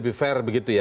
lebih fair begitu ya